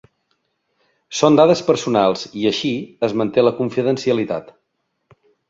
Són dades personals i així es manté la confidencialitat.